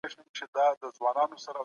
زوی یې هم پر اصولو وغنده